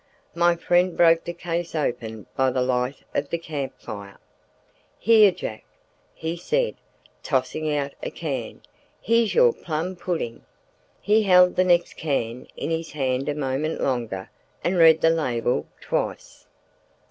My friend broke the case open by the light of the camp fire. "Here, Jack!" he said, tossing out a can, "here's your plum pudding." He held the next can in his hand a moment longer and read the label twice.